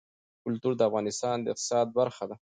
کلتور د افغانستان د اقتصاد برخه ده.